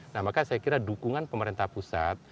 nah maka saya kira dukungan pemerintah pusat